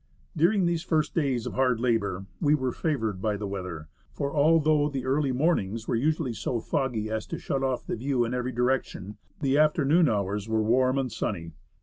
During these first days of hard labour, we were favoured by the weather ; for although the early mornings were usually so foggy as to shut off the view in every direction, the afternoon hours were warm and sunny.